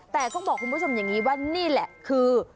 แต่ต้องบอกคุณผู้ชมอย่างนี้ว่านี่แหละคือ